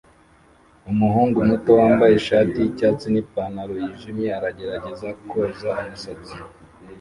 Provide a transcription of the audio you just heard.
Umuhungu muto wambaye ishati yicyatsi nipantaro yijimye aragerageza kwoza umusatsi